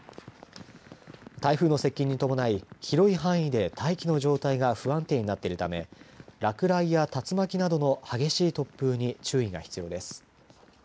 台風の接近に伴い広い範囲で大気の状態が不安定になっているため落雷や竜巻などの激しい突風に注意が必要です。